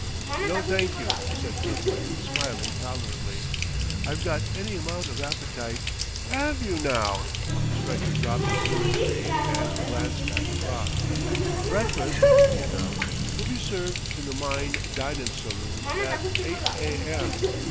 "No, thank you," said Kirkwood, smiling tolerantly. "I've got any amount of appetite..." "'Ave you, now?" Stryker dropped his mimicry and glanced at the clock. "Breakfast," he announced, "will be served in the myne dinin' saloon at eyght a. m.